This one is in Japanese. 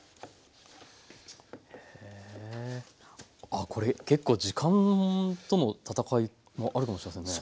あっこれ結構時間との闘いもあるかもしれませんね。